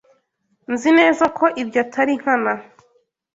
Nzi neza ko ibyo atari nkana.